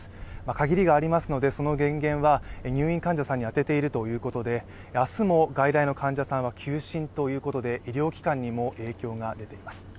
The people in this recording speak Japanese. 限りがありますので入院患者に当てているということで明日も外来の患者さんは休診ということで、医療機関にも影響が出ています。